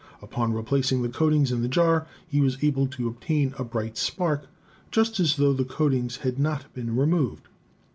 Upon replacing the coatings in the jar, he was able to obtain a bright spark, just as tho the coatings had not been removed.